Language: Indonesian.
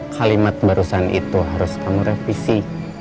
kalimat barusan itu harus kamu revisi